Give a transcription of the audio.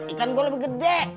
ikan gua lebih gede